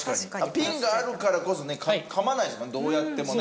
ピンがあるからこそねかまないですもんね